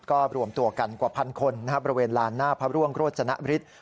ก็รวมตัวกันกว่าพันคนบริเวณลานหน้าพระร่วงโรจนบริษฐ์